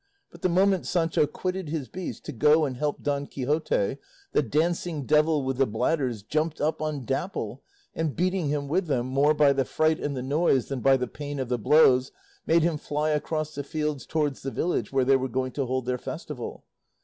But the moment Sancho quitted his beast to go and help Don Quixote, the dancing devil with the bladders jumped up on Dapple, and beating him with them, more by the fright and the noise than by the pain of the blows, made him fly across the fields towards the village where they were going to hold their festival.